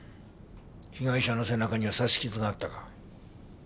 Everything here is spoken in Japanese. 被害者の背中には刺し傷があったが。